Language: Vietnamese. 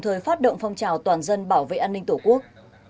hoạt động phong trào toàn dân bảo vệ an ninh tổ quốc